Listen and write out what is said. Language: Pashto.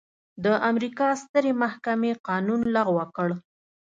د امریکا سترې محکمې قانون لغوه کړ.